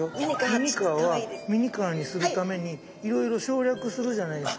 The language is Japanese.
ミニカーはミニカーにするためにいろいろ省略するじゃないですか。